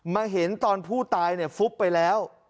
เห็นตอนผู้ตายฟุบไปแล้ว